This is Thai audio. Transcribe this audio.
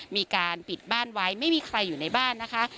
มีการปิดบ้านไว้ไม่มีใครอยู่ในบ้านนะคะ